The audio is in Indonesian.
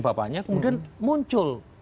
bapaknya kemudian muncul